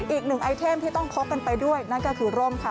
อีกหนึ่งไอเทมที่ต้องพกกันไปด้วยนั่นก็คือร่มค่ะ